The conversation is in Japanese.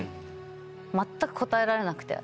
全く答えられなくて。